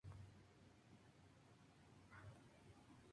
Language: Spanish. Daisy Evans nació en Barking, Essex.